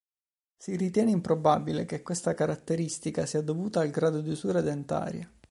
Si ritiene improbabile che questa caratteristica sia dovuta al grado di usura dentaria.